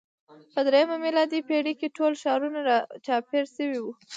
په درېیمه میلادي پېړۍ کې ټول ښارونه راچاپېر شوي وو.